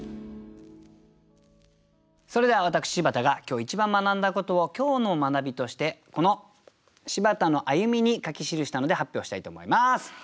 それでは私柴田が今日一番学んだことを今日の学びとしてこの「柴田の歩み」に書き記したので発表したいと思います。